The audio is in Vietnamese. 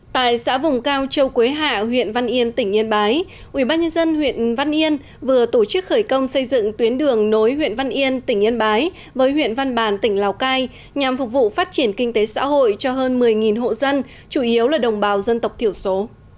tại xã vùng cao châu quế hạ huyện văn yên tỉnh yên bái ubnd huyện văn yên vừa tổ chức khởi công xây dựng tuyến đường nối huyện văn yên tỉnh yên bái với huyện văn bàn tỉnh lào cai nhằm phục vụ phát triển kinh tế xã hội cho hơn một mươi hộ dân chủ yếu là đồng bào dân tộc thiểu số